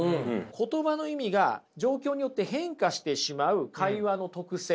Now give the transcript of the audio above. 言葉の意味が状況によって変化してしまう会話の特性。